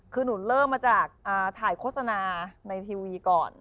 คือหนูเริ่มมาจากถ่ายโฆษณาในทีวีก่อน